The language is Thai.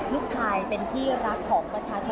ลูกชายเป็นที่รักของประชาชนคนไทยขนาดนี้